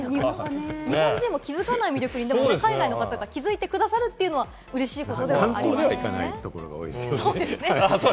日本人も気付かない魅力に海外の方が気づいてくださるというのは、うれしいことではありますよね。